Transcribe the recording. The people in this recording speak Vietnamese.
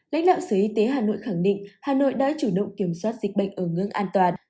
lãnh đạo sở y tế hà nội khẳng định hà nội đã chủ động kiểm soát dịch bệnh ở ngưỡng an toàn